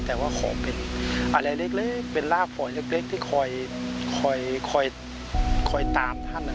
แต่ว่าขอเป็นอะไรเล็กเล็กเป็นรากฝอยเล็กเล็กที่คอยคอยคอยคอยตามท่านอ่ะ